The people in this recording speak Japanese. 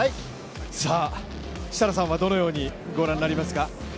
設楽さんはどのようにご覧になりますか？